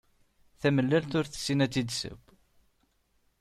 Tamellalt ur tessin ad tt-id-tesseww!